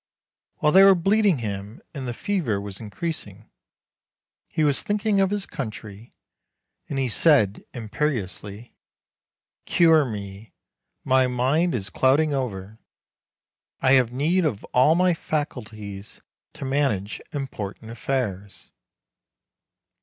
While they were bleeding him, and the fever was increasing, he was thinking of his country, and he said imperiously : "Cure me ; my mind is clouding over ; I have need of all my faculties to manage important affairs."